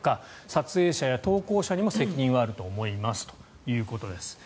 撮影者や投稿者にも責任はあると思いますということです。